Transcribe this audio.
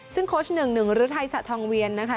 ซึ่งโคชนึงนึงหรือทัยสัอยทองเวียนนะคะ